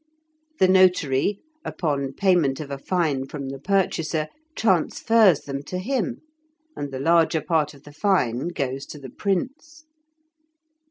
The notary, upon payment of a fine from the purchaser, transfers them to him, and the larger part of the fine goes to the prince.